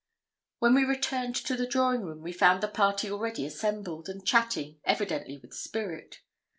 When we returned to the drawing room, we found the party already assembled, and chatting, evidently with spirit.